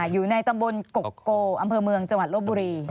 อยู่ในตำบลกกอำเภอเมืองจลบบุรี